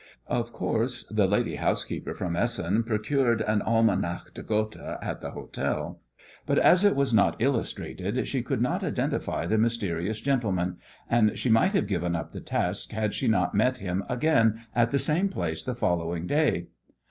Of course, the "lady housekeeper from Essen" procured an Almanach de Gotha at the hotel, but as it was not illustrated, she could not identify the mysterious gentleman, and she might have given up the task had she not met him again at the same place the following day.